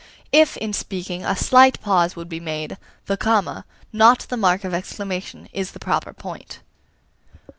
If, in speaking, a slight pause would be made, the comma, not the mark of exclamation, is the proper point.